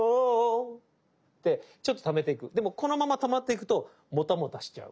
でもこのままタマっていくともたもたしちゃう。